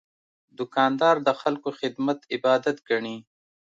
دوکاندار د خلکو خدمت عبادت ګڼي.